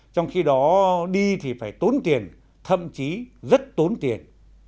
trong khi đó đi thì phải tốn tiền thậm chí rất tốn tiền